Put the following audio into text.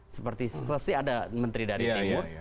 seperti selesai ada menteri dari timur